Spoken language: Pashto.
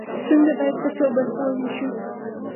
ستونزه باید په څو برخو وویشو.